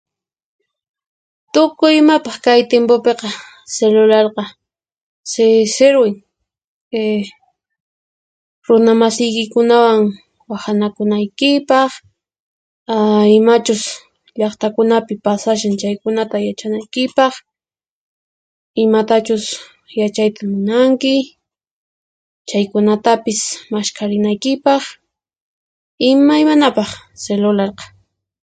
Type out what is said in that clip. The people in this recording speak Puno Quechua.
Tukuy imapaq kay timpupiqa cilularqa si-sirwin, ehh runamasiykikunawan wahanakunaykipaq, ahh imachus llaqtakunapi pasashan chaykunata yachanaykipaq, imatachus yachayta munanki, chaykunatapis mashkharinaykipaq. Imaymanapaq cilularqa.